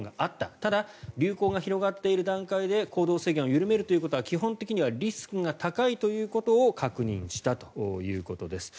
ただ、流行が広がっている段階で行動制限を緩めることは基本的にはリスクが高いということを確認したということです。